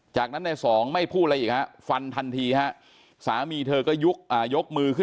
จากนั้นในสองไม่พูดอะไรอีกฮะฟันทันทีฮะสามีเธอก็ยกมือขึ้น